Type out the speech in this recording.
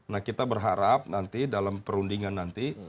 nah kita berharap nanti dalam perundingan nanti